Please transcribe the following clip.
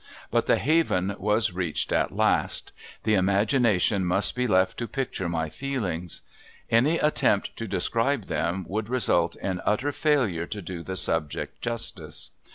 But the haven was reached at last. The imagination must be left to picture my feelings. Any attempt to describe them would result in utter failure to do the subject justice.